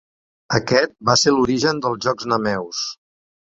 Aquest va ser l'origen dels Jocs Nemeus.